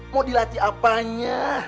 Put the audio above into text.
mau dilatih apanya